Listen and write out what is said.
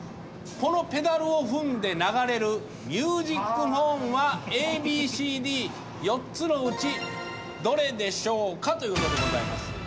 このペダルを踏んで流れるミュージックホーンはＡＢＣＤ４つのうちどれでしょうかということでございます。